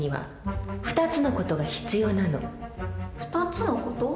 ２つの事？